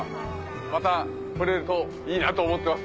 また来れるといいなと思ってます